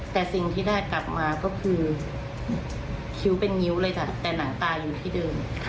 แต่สิ่งที่ได้กลับมาก็คือคิ้วเป็นงิ้วเลยจ้ะแต่หนังตาอยู่ที่เดิม